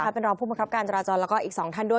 เป็นรองผู้บังคับการจราจรแล้วก็อีก๒ท่านด้วย